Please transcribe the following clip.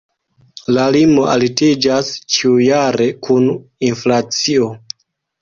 La limo altiĝas ĉiujare kun inflacio.